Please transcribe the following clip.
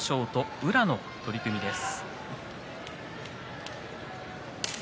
阿武咲と宇良の取組です。